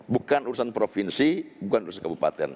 bukan urusan provinsi bukan urusan kabupaten